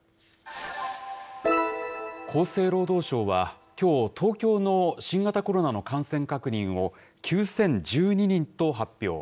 厚生労働省は、きょう東京の新型コロナの感染確認を９０１２人と発表。